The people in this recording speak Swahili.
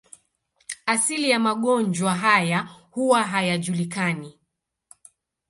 Asili ya magonjwa haya huwa hayajulikani.